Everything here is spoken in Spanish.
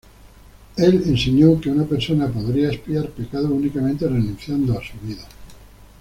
Él enseñó que una persona podría expiar pecados únicamente renunciando a su vida.